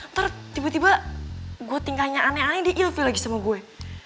ntar tiba tiba gue tingkahnya aneh aneh diilvi lagi sama gue